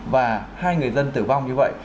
và hai người dân tử vong như vậy